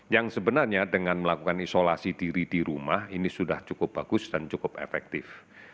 yang sebenarnya dengan melakukan isolasi diri di rumah ini sudah cukup bagus dan cukup efektif